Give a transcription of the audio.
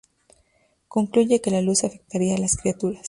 Concluye que la luz afectaría a las criaturas.